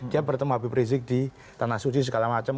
dia bertemu habib rizik di tanah suci segala macam